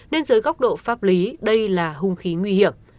nên dưới góc độ pháp lý đây là hung khí nguy hiểm